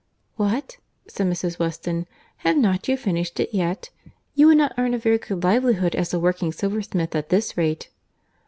"What!" said Mrs. Weston, "have not you finished it yet? you would not earn a very good livelihood as a working silversmith at this rate."